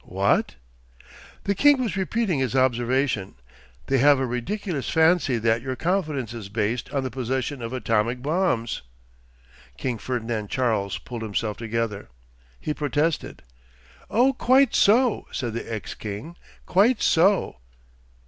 What? The king was repeating his observation. 'They have a ridiculous fancy that your confidence is based on the possession of atomic bombs.' King Ferdinand Charles pulled himself together. He protested. 'Oh, quite so,' said the ex king, 'quite so.